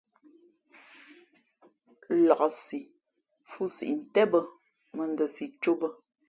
Laksí fhʉ̄ siʼ ntén bᾱ, mα n ndα si cō bᾱ.